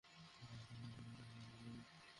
যারা আপনাদেরকে ভয় বুকে নিয়ে বাঁচতে বাধ্য করে!